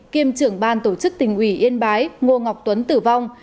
kiêm trưởng ban tổ chức tỉnh ủy yên bái ngô ngọc tuấn tử vong